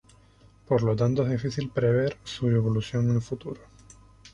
Por lo tanto es difícil prever su evolución en el futuro.